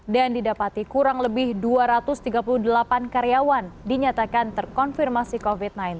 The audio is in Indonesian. dan didapati kurang lebih dua ratus tiga puluh delapan karyawan dinyatakan terkonfirmasi covid sembilan belas